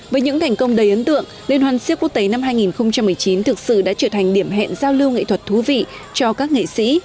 với những thành công đầy ấn tượng liên hoàn siếc quốc tế năm hai nghìn một mươi chín thực sự đã trở thành điểm hẹn giao lưu nghệ thuật thú vị cho các nghệ sĩ